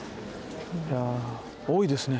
いや多いですね。